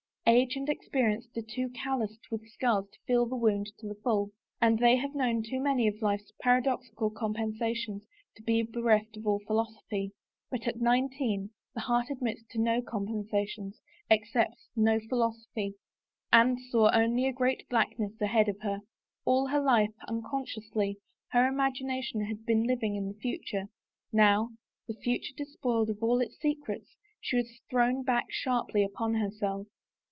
Age and experience are too calloused with scars to feel the wound to the full ; and they have known too many of life's paradoxical compensations to be bereft of all philosophy, but at nineteen the heart admits no compensations, accepts no philosophy. ^ Anne saw only a great blackness ahead of her. All her life, unconsciously, her imagination had been living in the future, now, the future despoiled of its secrets, she was thrown back sharply upon herself.